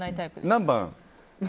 何番？